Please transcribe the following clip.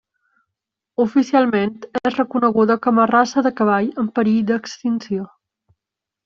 Oficialment és reconeguda com a raça de cavall en perill d'extinció.